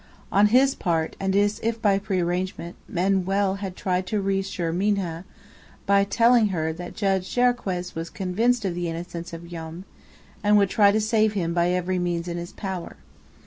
On his part, and as if by pre arrangement, Manoel had tried to reassure Minha by telling her that Judge Jarriquez was convinced of the innocence of Joam, and would try to save him by every means in his power.